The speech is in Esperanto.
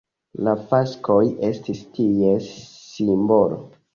La faskoj estis ties simbolo.